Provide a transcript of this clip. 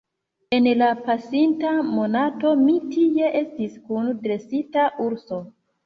En la pasinta monato mi tie estis kun dresita urso.